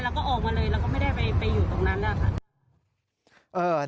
แล้วก็ออกมาเลยแล้วก็ไม่ได้ไปอยู่ตรงนั้นแล้วค่ะ